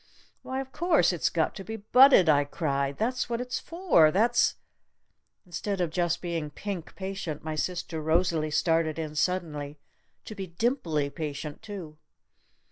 "Why, of course, it's got to be budded!" I cried. "That's what it's for! That's " Instead of just being pink patient my sister Rosalee started in suddenly to be dimply patient too.